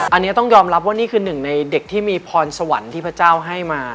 อันนี้ต้องยอมรับว่านี่คือหนึ่งในเด็กที่มีพรสวรรค์ที่พระเจ้าให้มา